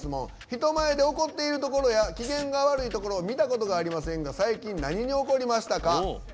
人前で怒っているところや機嫌が悪いところを見たことがありませんが最近、何に怒りましたか？